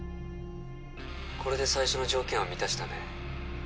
これで最初の条件は満たしたね